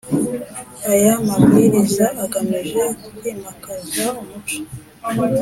Aya mabwiriza agamije kwimakaza umuco